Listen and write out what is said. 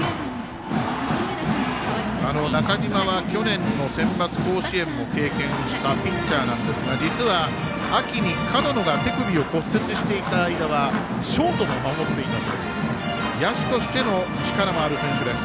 中嶋は、去年のセンバツ甲子園も経験したピッチャーなんですが実は、秋に門野が手首を骨折していた間はショートも守っていたという野手としての力もある選手です。